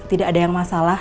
tidak ada yang masalah